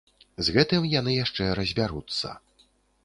З гэтым яны яшчэ разбяруцца.